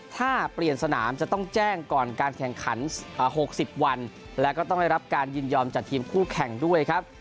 ถ้าเปลี่ยนสนามจะต้องแจ้งก่อนการแข่งขัน๖๐วันแล้วก็ต้องได้รับการยินยอมจากทีมคู่แข่งด้วยครับ